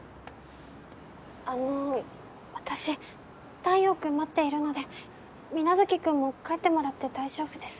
あの私太陽君待っているので皆月君も帰ってもらって大丈夫です。